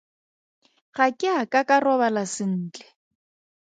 Ga ke a ka ka robala sentle.